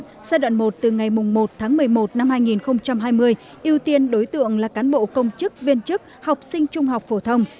trong giai đoạn một từ ngày một tháng một mươi một năm hai nghìn hai mươi ưu tiên đối tượng là cán bộ công chức viên chức học sinh trung học phổ thông